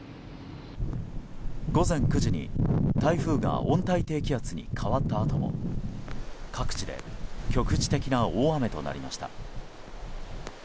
午前９時に台風が温帯低気圧に変わったあとも各地で局地的な大雨となりました。